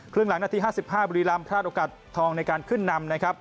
ครึ่งหลังนาที๕๕บุรีรำพลาดโอกาสทองในการขึ้นนำนะครับ